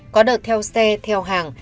có đợt theo xe theo hàng